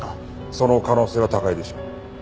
その可能性は高いでしょう。